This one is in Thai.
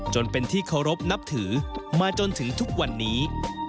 จนเป็นที่เคารพนับถือมาจนถึงทุกวันนี้